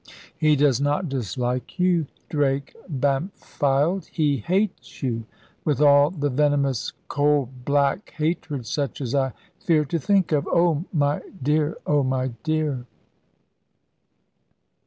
"He does not dislike you, Drake Bampfylde; he hates you with all the venomous, cold, black hatred, such as I fear to think of oh my dear, oh my dear!"